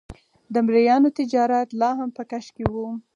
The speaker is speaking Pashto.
د مریانو تجارت لا هم په کش کې و.